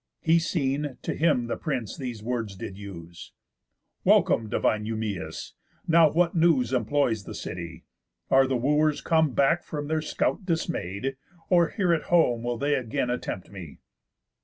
He seen, to him the prince these words did use: "Welcome divine Eumæus! Now what news Employs the city? Are the Wooers come Back from their scout dismay'd? Or here at home Will they again attempt me?"